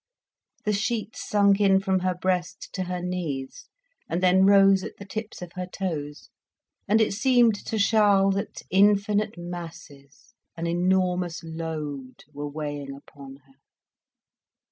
The sheet sunk in from her breast to her knees, and then rose at the tips of her toes, and it seemed to Charles that infinite masses, an enormous load, were weighing upon her.